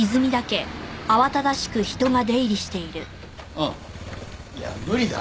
ああいや無理だ。